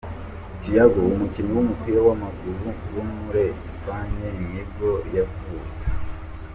Thiago, umukinnyi w’umupira w’amaguru wo muri Espagne ni bwo yavutse.